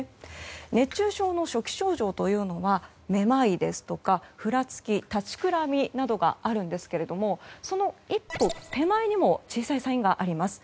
熱中症の初期症状というのはめまいですとか、ふらつき立ちくらみなどがあるんですけどその一歩手前にも小さいサインがあります。